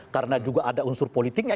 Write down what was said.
karena juga ada unsur politiknya